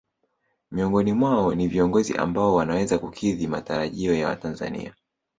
Miongoni mwao ni viongozi ambao wanaweza kukidhi matarajio ya watanzania